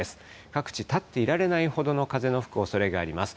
各地、立っていられないほどの風の吹くおそれがあります。